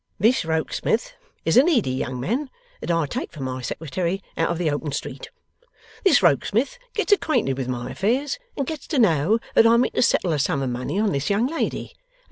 'This Rokesmith is a needy young man that I take for my Secretary out of the open street. This Rokesmith gets acquainted with my affairs, and gets to know that I mean to settle a sum of money on this young lady.